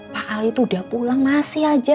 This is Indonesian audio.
pak al itu udah pulang masih aja